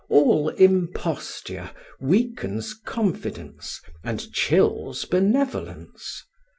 All imposture weakens confidence and chills benevolence.